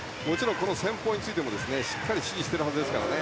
この戦法についても指示しているはずですからね。